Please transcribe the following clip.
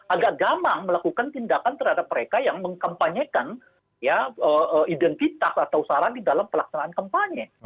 agak gamang melakukan tindakan terhadap mereka yang mengkampanyekan identitas atau saran di dalam pelaksanaan kampanye